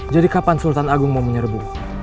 jadi kapan sultan agung mau menyerbu